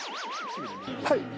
はい。